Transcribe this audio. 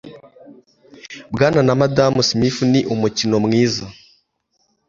Bwana na Madamu Smith ni umukino mwiza.